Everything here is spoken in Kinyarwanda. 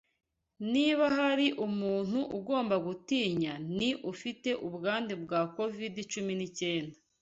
Niba hari umuntu ugomba gutinya ni ufite ubwandu bwa covid cumi n'icyenda.